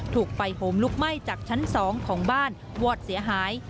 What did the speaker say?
ถูกไฟโหมลุกไหม้จากชั้น๒ของบ้านวอดเสียหาย